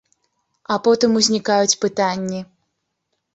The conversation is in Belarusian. А потым узнікаюць пытанні.